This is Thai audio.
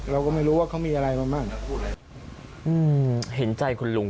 เราก็ไม่รู้ว่าเขามีอะไรมาบ้างเห็นใจคุณลุง